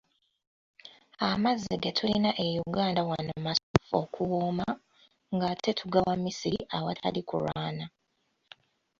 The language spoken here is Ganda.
"Amazzi ge tulina e Uganda wano masuffu okuwooma, ng’ate tugawa misiri awatali kulwana."